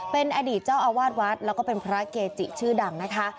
เป็นอดีตเจ้าอาวาสวัดแล้วก็เป็นพระเกจิชื่อดังนะคะ